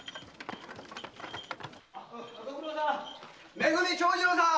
め組長次郎さん！